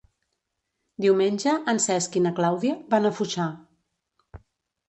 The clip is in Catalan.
Diumenge en Cesc i na Clàudia van a Foixà.